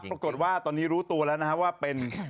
ปรากฏว่าตอนนี้รู้ตัวแล้วนะครับว่าเป็น